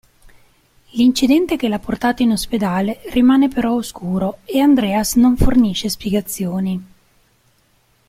L'incidente che l'ha portato in ospedale rimane però oscuro, e Andreas non fornisce spiegazioni.